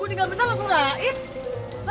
gue tinggal bentar lo surahin